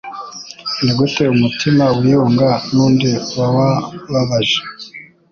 Nigute umutima wiyunga nu ndi wa wu wababaje